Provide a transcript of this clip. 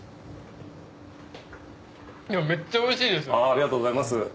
ありがとうございます。